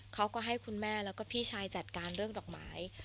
เขาก็ให้คุณแม่แล้วก็พี่ชายจัดการเรื่องดอกไม้